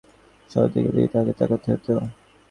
অতএব বাহিরের শক্তিসমূহের সহায়তার দিকে তাহাকে তাকাইতে হইত।